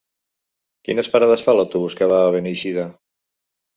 Quines parades fa l'autobús que va a Beneixida?